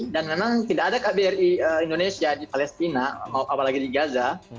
dan memang tidak ada kbri indonesia di palestina apalagi di gaza